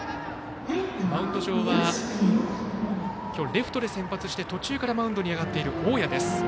マウンド上は、レフトで先発して途中からマウンドに上がっている大矢です。